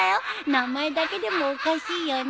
名前だけでもおかしいよね。